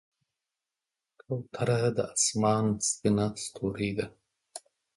کوتره د آسمان سپینه ستورۍ ده.